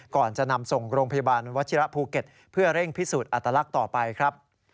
ก่อนจะนำส่งโรงพยาบาลวัชิระภูเก็ตเพื่อเร่งพิสูจน์อัตลักษณ์ต่อไปครับ